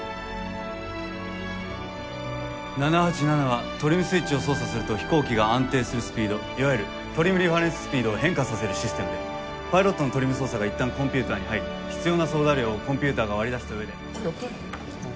７８７はトリム・スイッチを操作すると飛行機が安定するスピードいわゆるトリム・リファレンス・スピードを変化させるシステムでパイロットのトリム操作がいったんコンピューターに入り必要な操舵量をコンピューターが割り出した上で。